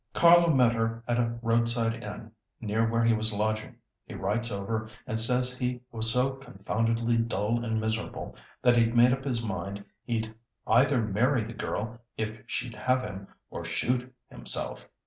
Carlo met her at a roadside inn near where he was lodging. He writes over and says he was so confoundedly dull and miserable that he'd made up his mind he'd either marry the girl if she'd have him, or shoot himself.